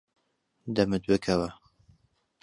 دەمت بکەوە.